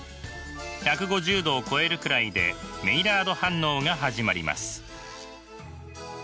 １５０℃を超えるくらいでメイラード反応が始まります。